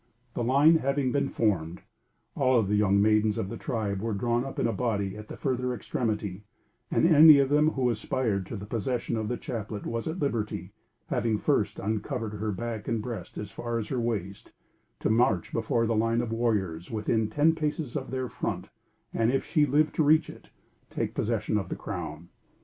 The line having been formed, all of the young maidens of the tribe were drawn up in a body at the further extremity and any of them who aspired to the possession of the chaplet was at liberty, having first uncovered her back and breast as far as her waist, to march before the line of warriors within ten paces of their front and, if she lived to reach it, take possession of the crown.